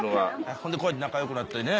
ほんでこうやって仲良くなって。